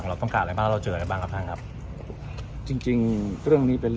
มองว่าเป็นการสกัดท่านหรือเปล่าครับเพราะว่าท่านก็อยู่ในตำแหน่งรองพอด้วยในช่วงนี้นะครับ